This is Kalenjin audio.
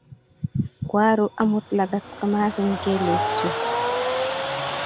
Kwaru amut lagat komasiny kelek chuk